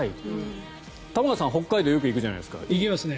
玉川さん、北海道によく行くじゃないですか。